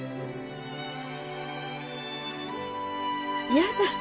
嫌だ。